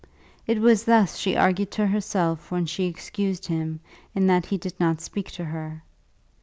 It was thus she argued to herself when she excused him in that he did not speak to her.